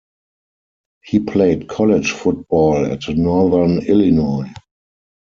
He played college football at Northern Illinois.